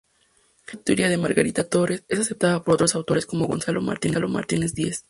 Esta teoría de Margarita Torres es aceptada por otros autores como Gonzalo Martínez Díez.